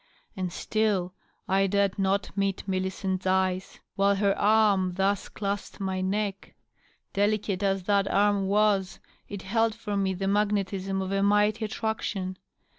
And still I dared not meet Millicent's eyes while her arm thus clasped my neck. Delicate as that arm was, it held for me the mag netism of a mighty attraction.